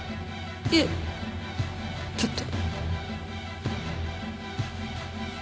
いえちょっと。